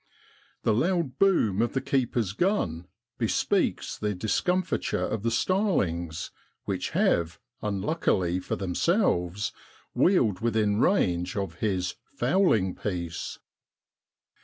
The loud boom of the keeper's gun bespeaks the discomfiture of the starlings which have, unluckily for themselves, wheeled within range of his ' fowling piece.'